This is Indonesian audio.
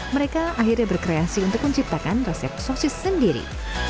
mereka akhirnya berkreasi untuk menciptakan resep sosis sendiri